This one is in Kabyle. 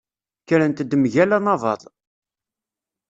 Kkrent-d mgal anabaḍ.